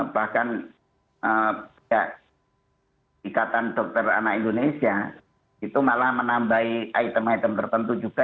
bahkan ikatan dokter anak indonesia itu malah menambahi item item tertentu juga